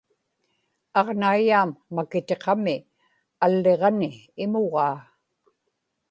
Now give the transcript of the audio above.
aġnaiyaam makitiqami alliġani imugaa